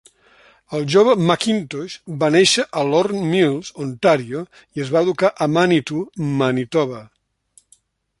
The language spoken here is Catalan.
El jove McIntosh va néixer a Lorne Mills, Ontario, i es va educar a Manitou, Manitoba.